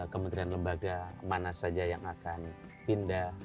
kementerian lembaga mana saja yang akan pindah